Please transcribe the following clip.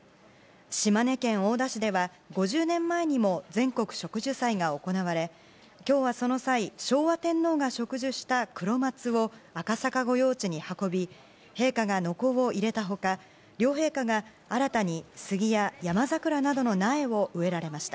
島根県大田市では５０年前にも全国植樹祭が行われ今日は、その際昭和天皇が植樹したクロマツを赤坂御用地に運び陛下が、のこを入れた他両陛下が新たにスギやヤマザクラなどの苗を植えられました。